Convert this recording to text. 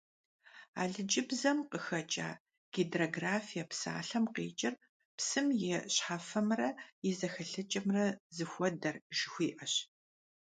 Алыджыбзэм къыхэкIа «гидрографие» псалъэм къикIыр «псым и щхьэфэмрэ и зэхэлъыкIэмрэ зыхуэдэр» жыхуиIэщ.